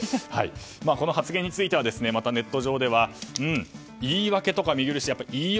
この発言についてはまたネット上では言い訳とか、見苦しい。